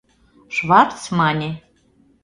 Шварц мане: